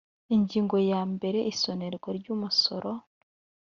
ingingo ya mbere isonerwa ry umusoro